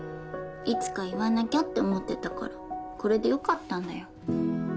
いつか言わなきゃって思ってたからこれでよかったんだよ。